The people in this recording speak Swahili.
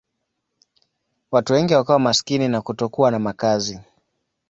Watu wengi wakawa maskini na kutokuwa na makazi.